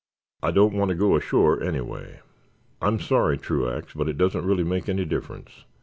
"I don't want to go ashore, anyway." "I'm sorry, Truax, but it doesn't really make any difference.